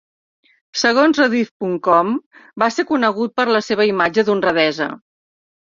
Segons rediff.com, va ser conegut per la seva imatge d"honradesa.